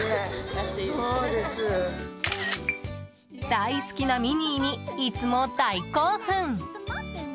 大好きなミニーにいつも大興奮！